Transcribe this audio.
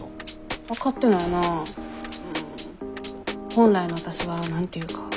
本来のわたしは何て言うか。